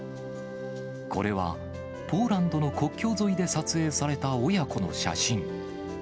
これは、ポーランドの国境沿いで撮影された親子の写真。